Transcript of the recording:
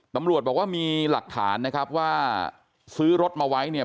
ตำรวจบอกว่ามีหลักฐานว่าซื้อรถมาไว้